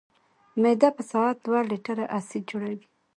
معده په ساعت دوه لیټره اسید جوړوي.